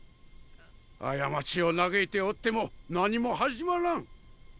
過ちを嘆いておっても何も始まらん。